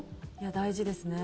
大事ですね。